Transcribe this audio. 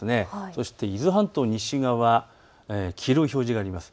そして伊豆半島の西側、黄色い表示があります。